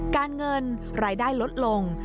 การเงินรายได้ลดลง